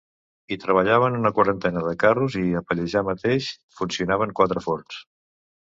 Hi treballaven una quarantena de carros i a Pallejà mateix funcionaven quatre forns.